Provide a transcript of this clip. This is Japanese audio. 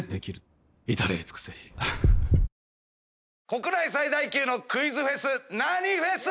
国内最大級のクイズフェス何フェス！